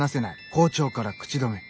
校長から口止め」。